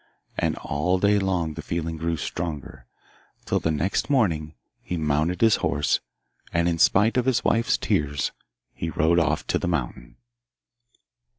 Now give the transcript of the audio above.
And all day long the feeling grew stronger, till the next morning he mounted his horse, and in spite of his wife's tears, he rode off to the mountain.